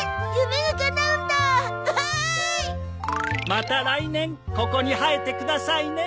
また来年ここに生えてくださいね。